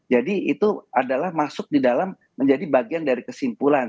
itu adalah masuk di dalam menjadi bagian dari kesimpulan